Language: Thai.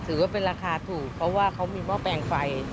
ถือว่าเป็นราคาถูกเพราะว่าเขามีหม้อแปลงไฟ